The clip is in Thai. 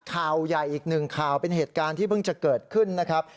ข่าวใหญ่อีกหนึ่งข่าวเป็นเหตุการณ์ที่เพิ่งจะเกิดขึ้นนะครับ